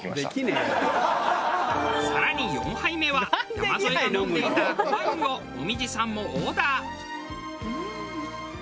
更に４杯目は山添が飲んでいた赤ワインを紅葉さんもオーダー。